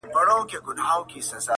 د ښو څخه ښه زېږي د بدو څخه واښه -